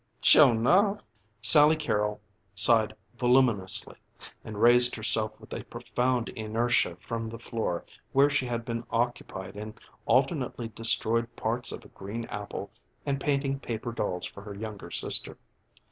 "Sure enough." Sally Carrol sighed voluminously and raised herself with profound inertia from the floor where she had been occupied in alternately destroyed parts of a green apple and painting paper dolls for her younger sister.